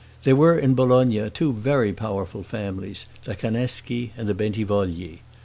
There were in Bologna two very powerful families, the Canneschi and the Bentivogli.